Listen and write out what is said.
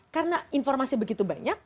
karena informasi begitu banyak